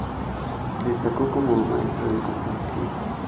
Destacó como maestro de composición.